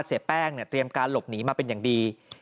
เสียแป้งเตรียมการหลบหนีมาเป็นอย่างดี